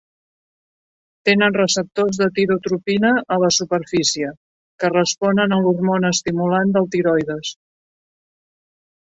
Tenen receptors de tirotropina a la superfície, que responen a l'hormona estimulant del tiroides.